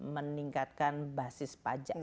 meningkatkan basis pajak